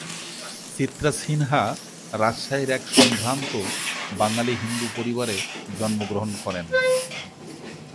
চিত্রা সিনহা রাজশাহীর এক সম্ভ্রান্ত বাঙালি হিন্দু পরিবারে জন্মগ্রহণ করেন।